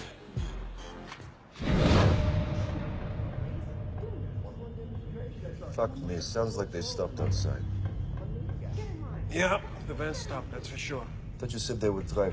はい。